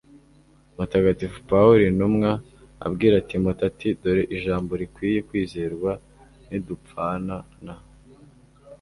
mutagatifu pawulo intumwa abwira timote ati dore ijambo rikwiye kwizerwa nidupfana na